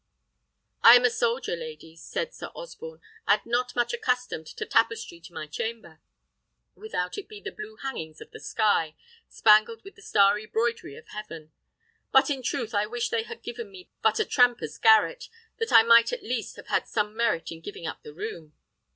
"I am a soldier, lady," said Sir Osborne, "and not much accustomed to tapestry to my chamber, without it be the blue hangings of the sky, spangled with the starry broidery of heaven; but in truth I wish they had given me but a tramper's garret, that I might at least have had some merit in giving up the room."